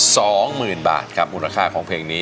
สองหมื่นบาทครับมูลค่าของเพลงนี้